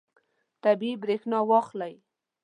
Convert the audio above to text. طبیعي برېښنا واخلئ.